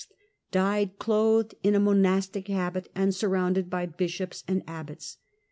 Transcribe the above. died clothed in a monastic habit and sur rounded by bishops and abbots.